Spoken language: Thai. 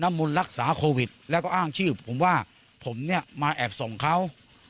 มนต์รักษาโควิดแล้วก็อ้างชื่อผมว่าผมเนี่ยมาแอบส่งเขา